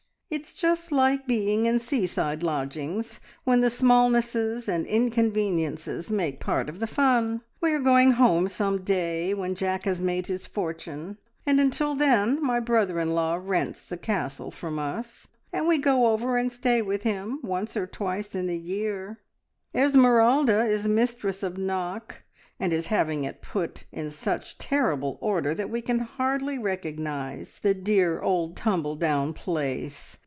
It's just like being in seaside lodgings, when the smallnesses and inconveniences make part of the fun. We are going home some day, when Jack has made his fortune, and until then my brother in law rents the Castle from us, and we go over and stay with him once or twice in the year. Esmeralda is mistress of Knock, and is having it put in such terrible order that we can hardly recognise the dear old tumbledown place.